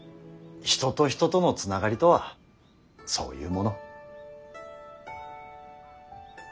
人と人との繋がりとはそういうもの。